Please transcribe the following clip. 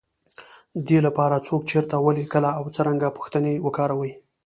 دې لپاره، څوک، چېرته، ولې، کله او څرنګه پوښتنې وکاروئ.